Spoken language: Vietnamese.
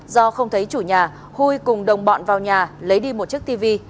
do không thấy chủ nhà huy cùng đồng bọn vào nhà lấy đi một chiếc tivi